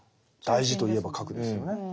大事といえば核ですよね。